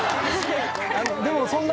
でもそんな。